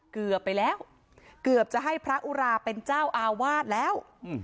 เกือบไปแล้วเกือบจะให้พระอุราเป็นเจ้าอาวาสแล้ว